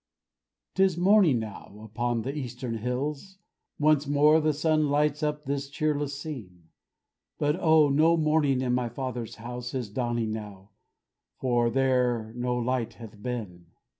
'Tis morning now upon the eastern hills Once more the sun lights up this cheerless scene; But O, no morning in my Father's house Is dawning now, for there no night hath been.